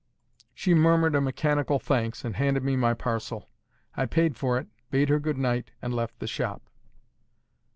She murmured a mechanical thanks, and handed me my parcel. I paid for it, bade her good night, and left the shop.